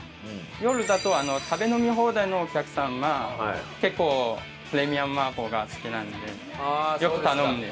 夜だと食べ飲み放題のお客さんが結構プレミアム麻婆が好きなのでよく頼むんです。